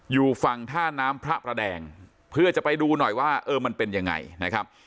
อยู่ฝั่งท่าน้ำพระประแดงเพื่อจะไปดูหน่อยว่าเออมันเป็นยังไงนะครับ